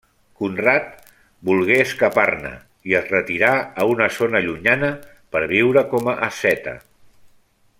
Conrad volgué escapar-ne i es retirà a una zona llunyana per viure com a asceta.